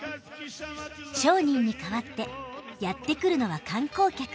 商人に代わってやって来るのは観光客。